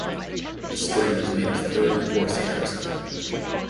The string is made of thirty horsehairs.